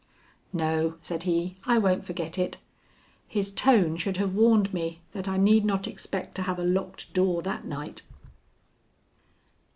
"No," said he, "I won't forget it." His tone should have warned me that I need not expect to have a locked door that night.